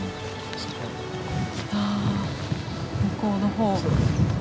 向こうの方。